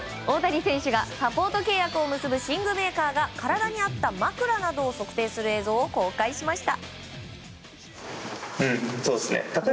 大谷選手がサポート契約を結ぶ寝具メーカーが体に合った枕などを測定する映像を公開しました。